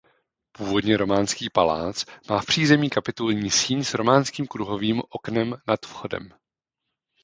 Původně románský palác má v přízemí kapitulní síň s románským kruhovým oknem nad vchodem.